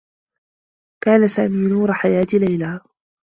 كان سامي نور حياة ليلى.